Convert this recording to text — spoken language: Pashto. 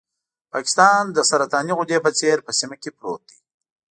پاکستان د سرطاني غدې په څېر په سیمه کې پروت دی.